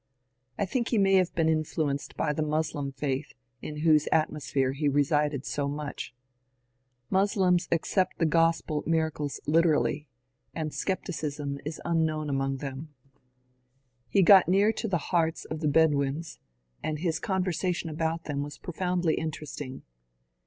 I think he may have been influenced by the Moslem faith in whose atmosphere he resided so much. Moslems ac cept the gospel miracles literally, and scepticism is unknown 134 MONCURE DANIEL CONWAY among them. He got near to the hearts of the Bedouins, and his conversation about them was profoundly interesting.